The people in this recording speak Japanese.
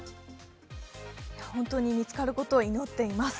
本当に見つかることを祈ってます。